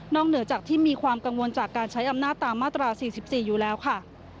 เหนือจากที่มีความกังวลจากการใช้อำนาจตามมาตรา๔๔อยู่แล้วค่ะ